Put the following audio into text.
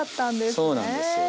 そうなんですよ。